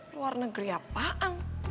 luar negeri apaan